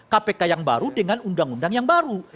kpk yang baru dengan undang undang yang baru